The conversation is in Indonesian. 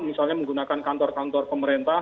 misalnya menggunakan kantor kantor pemerintah